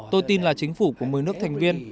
tôi tin là chính phủ của một mươi nước thành viên